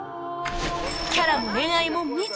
キャラも恋愛も未知